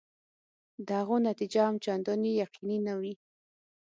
د هغو نتیجه هم چنداني یقیني نه وي.